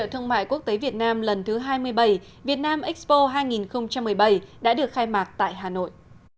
hội trợ thương mại quốc tế việt nam lần thứ hai mươi bảy vietnam expo hai nghìn một mươi bảy đã được khai mạc tại hà nội